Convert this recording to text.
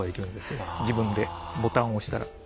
自分でボタンを押したら。